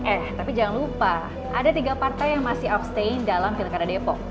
eh tapi jangan lupa ada tiga partai yang masih abstain dalam pilkada depok